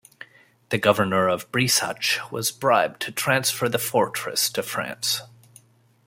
The governor of Breisach was bribed to transfer the fortress to France.